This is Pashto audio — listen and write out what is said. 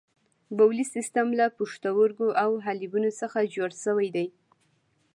بولي سیستم له پښتورګو او حالبینو څخه جوړ شوی دی.